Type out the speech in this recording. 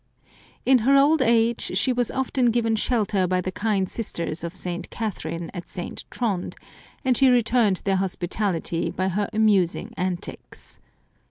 In her old age she was often given shelter by the kind sisters of St. Catherine at St. Trond, and she returned their hospitality by her amusing antics.